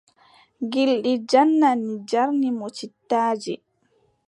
Gilɗi jannanni njarni mo cittaaje.